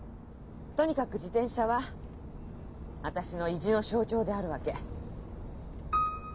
とにかく自転車は私の意地の象徴であるわけ。